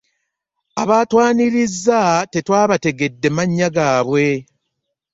Abaatwanirizza tetwa bategedde mannya gaabwe.